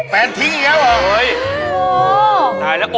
แฟนทิ้งอยู่แล้วอะเออ